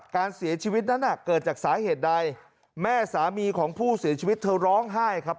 การเสียชีวิตนั้นเกิดจากสาเหตุใดแม่สามีของผู้เสียชีวิตเธอร้องไห้ครับ